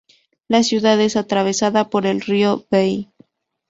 La ciudad es atravesada por el río Bei.